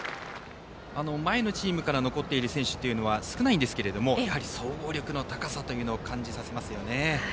前のチームから残っている選手は少ないですがやはり総合力の高さを感じさせますね。